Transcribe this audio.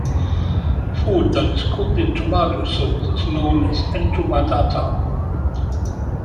Food that is cooked in tomato sauce is known as entomatada.